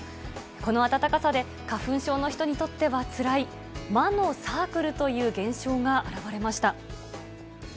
この暖かさで花粉症に人にとってはつらい、魔のサークルという現象が現れました。